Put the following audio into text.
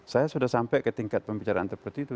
saya sudah sampai ke tingkat pembicaraan seperti itu